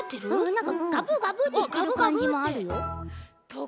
なんかガブガブってしてるかんじもあるよ。